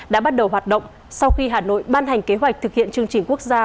đã bắt đầu hoạt động sau khi hà nội ban hành kế hoạch thực hiện chương trình quốc gia